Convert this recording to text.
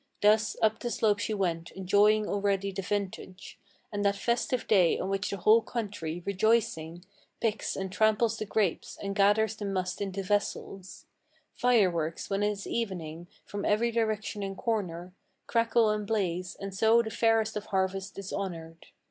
Thus up the slope she went, enjoying already the vintage, And that festive day on which the whole country, rejoicing, Picks and tramples the grapes, and gathers the must into vessels: Fireworks, when it is evening, from every direction and corner Crackle and blaze, and so the fairest of harvests is honored.